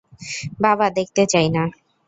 বাবা, দেখতে চাই না।